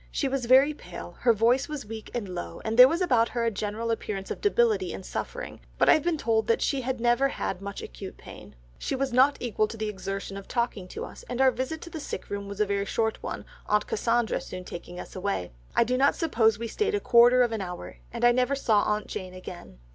She was very pale, her voice was weak and low, and there was about her a general appearance of debility and suffering, but I have been told that she never had much acute pain. She was not equal to the exertion of talking to us, and our visit to the sick room was a very short one, aunt Cassandra soon taking us away. I do not suppose we stayed a quarter of an hour, and I never saw aunt Jane again."